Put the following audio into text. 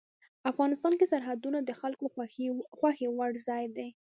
افغانستان کې سرحدونه د خلکو د خوښې وړ ځای دی.